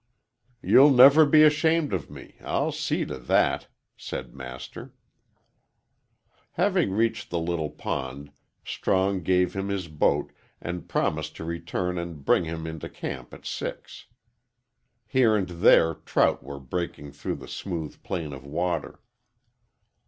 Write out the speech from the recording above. "You'll never be ashamed of me I'll see to that," said Master. Having reached the little pond, Strong gave him his boat, and promised to return and bring him into camp at six. Here and there trout were breaking through the smooth plane of water.